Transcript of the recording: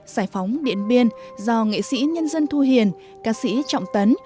giải phóng điện biên do nghệ sĩ nhân dân thu hiền ca sĩ trọng tấn